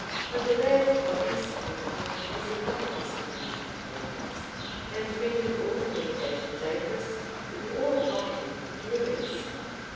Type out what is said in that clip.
But the bad police of the country was another obstacle to improvements, and rendered all communication dangerous, and all property precarious.